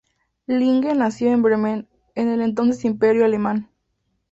Linge nació en Bremen, en el entonces Imperio Alemán.